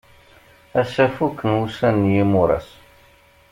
Ass-a fuken wussan n yimuṛas.